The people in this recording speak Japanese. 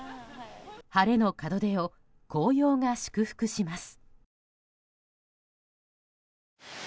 晴れの門出を紅葉が祝福します。